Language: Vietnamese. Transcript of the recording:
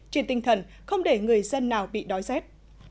trên tinh thần không để người dân nào bị đói rét